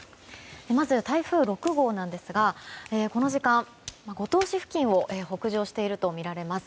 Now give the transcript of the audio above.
まず台風６号なんですがこの時間、五島市付近を北上しているとみられます。